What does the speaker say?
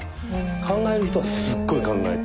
考える人はすっごい考えて。